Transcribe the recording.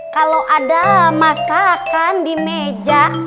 kalau ada masakan di meja